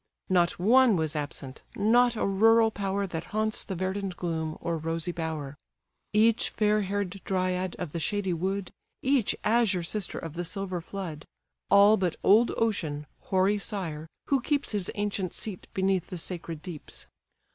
Not one was absent, not a rural power That haunts the verdant gloom, or rosy bower; Each fair hair'd dryad of the shady wood, Each azure sister of the silver flood; All but old Ocean, hoary sire! who keeps His ancient seat beneath the sacred deeps.